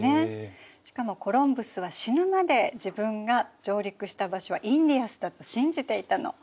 しかもコロンブスは死ぬまで自分が上陸した場所はインディアスだと信じていたの。